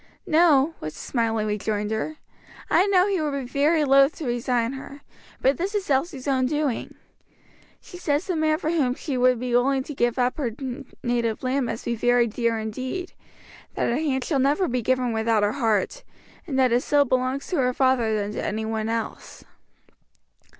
"No," was the smiling rejoinder; "I know he would be very loath to resign her; but this is Elsie's own doing. She says the man for whom she would be willing to give up her native land must be very dear indeed, that her hand shall never be given without her heart, and that it still belongs more to her father than to any one else."